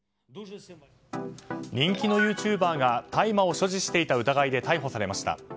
人気のユーチューバーが大麻を所持していた疑いで逮捕されました。